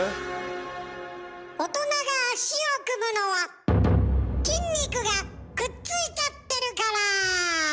大人が足を組むのは筋肉がくっついちゃってるから。